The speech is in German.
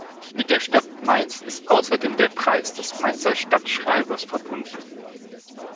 Mit der Stadt Mainz ist außerdem der Preis des Mainzer Stadtschreibers verbunden.